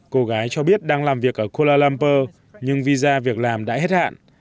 cô gái cho biết đang làm việc ở kuala lumpur nhưng visa việc làm đã hết hạn